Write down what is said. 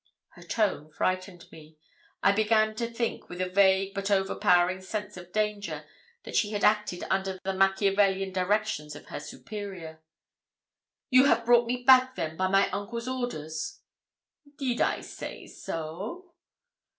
Her tone frightened me. I began to think, with a vague but overpowering sense of danger, that she had acted under the Machiavellian directions of her superior. 'You have brought me back, then, by my uncle's orders?' 'Did I say so?'